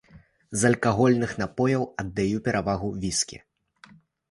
З алкагольных напояў аддаю перавагу віскі.